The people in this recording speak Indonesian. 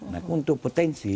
nah untuk potensi